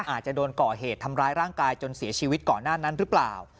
อาจจะโดนก่อเหตุทำร้ายร่างกายจนเสียชีวิตก่อนหน้านั้นหรือเปล่า